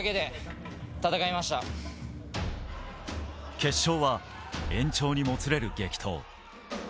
決勝は延長にもつれる激闘。